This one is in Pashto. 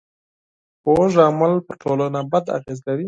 کوږ عمل پر ټولنه بد اغېز لري